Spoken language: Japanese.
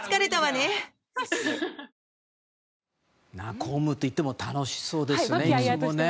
公務といっても楽しそうですよね。